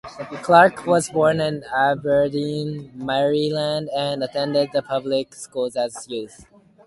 Clark was born in Aberdeen, Maryland, and attended the public schools as a youth.